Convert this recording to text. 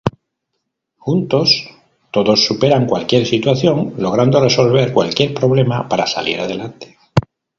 Juntos, todos superan cualquier situación, logrando resolver cualquier problema para salir adelante.